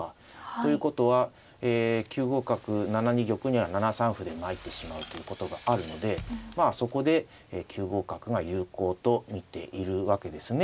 ということは９五角７二玉には７三歩で参ってしまうということがあるのでまあそこで９五角が有効と見ているわけですね。